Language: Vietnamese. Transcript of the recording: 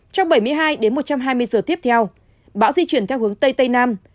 trong bảy mươi hai đến một trăm hai mươi giờ tiếp theo bão di chuyển theo hướng tây tây nam